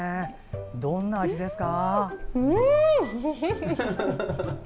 どんな味ですか？